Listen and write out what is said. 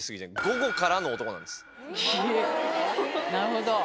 なるほど。